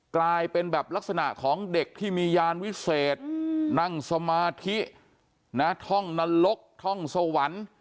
กลายเป็นแบบลักษณะของเด็กที่มียานวิเศษนั่งสมาธิท่องนรกท่องสวรรค์